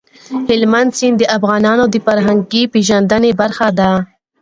هلمند سیند د افغانانو د فرهنګي پیژندنې برخه ده.